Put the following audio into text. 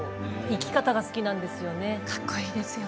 生き方が好きなんですよね